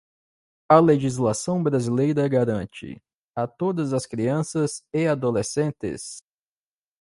A legislação brasileira garante, a todas as crianças e adolescentes